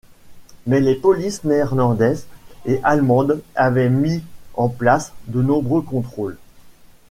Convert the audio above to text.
Mais les polices néerlandaises et allemandes avaient mis en place de nombreux contrôles.